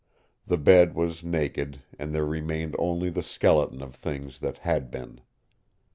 The bed was naked and there remained only the skeleton of things that had been.